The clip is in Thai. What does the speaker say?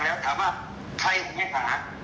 ไปดูชิ้นแรกก็ได้ครับ